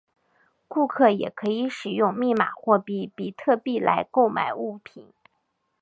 顾客也可以使用密码货币比特币来购买物品。